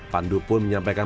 pandu pun menyampaikan